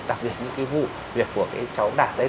đặc biệt những cái vụ việc của cái cháu đạt đấy